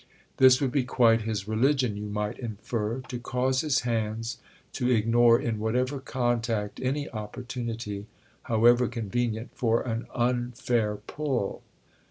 This would be quite his religion, you might infer—to cause his hands to ignore in whatever contact any opportunity, however convenient, for an unfair pull.